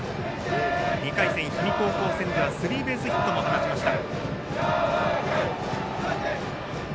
２回戦、氷見高校戦ではスリーベースヒットも放ちました。